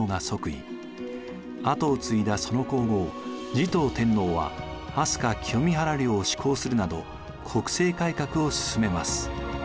跡を継いだその皇后持統天皇は飛鳥浄御原令を施行するなど国政改革をすすめます。